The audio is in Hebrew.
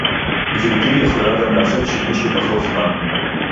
גברתי יכולה גם לעשות שימוש בפחות זמן